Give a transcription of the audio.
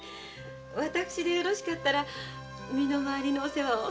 私でよろしかったら身の回りのお世話を。